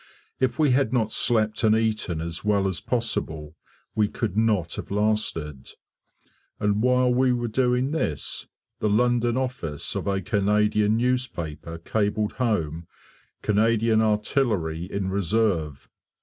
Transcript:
If we had not slept and eaten as well as possible we could not have lasted. And while we were doing this, the London office of a Canadian newspaper cabled home "Canadian Artillery in reserve."